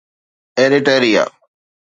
Eritrea